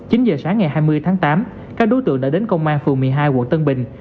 chín giờ sáng ngày hai mươi tháng tám các đối tượng đã đến công an phường một mươi hai quận tân bình